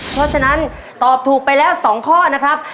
เพราะฉะนั้นตอบถูกไปแล้ว๒ข้อนะครับ